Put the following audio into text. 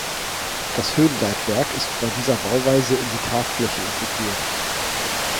Das Höhenleitwerk ist bei dieser Bauweise in die Tragfläche integriert.